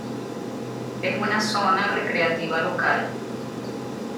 Es una zona recreativa local.